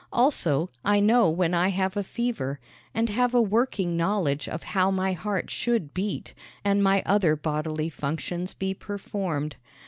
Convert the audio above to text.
Also, I know when I have a fever, and have a working knowledge of how my heart should beat and my other bodily functions be performed.